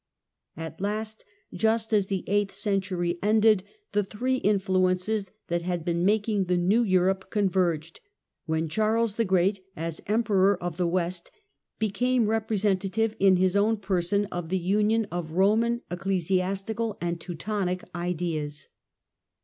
At last, just as the eighth century ended, the three influences that had been making the new Europe con verged, when Charles the Great, as Emperor of the West, became representative in his own person of the union of Roman, Ecclesiastical and Teutonic ideas.